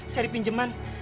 cari pinjeman ya